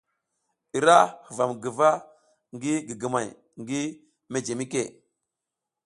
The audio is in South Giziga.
I ra huvam guva ngi gigimay ngi mejemike.